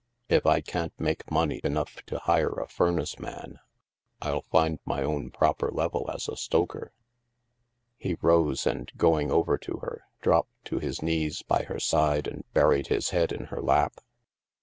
" If I can't make money enough to hire a furnace man, I'll find my own proper level as a stoker." He rose and, going over to her, dropped to his knees by her side and buried his head in her lap.